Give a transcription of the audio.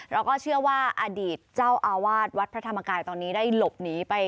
เราก็เชื่อว่าอดีตเจ้าอาวาสวัดพระธรรมกายตอนนี้ได้หลบหนีไป